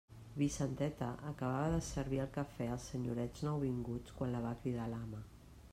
Vicenteta acabava de servir el cafè als senyorets nouvinguts, quan la va cridar l'ama.